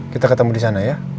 kita ketemu di sana ya